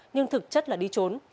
nhưng thực chất là đi trốn